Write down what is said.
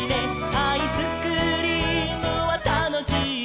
「アイスクリームはたのしいね」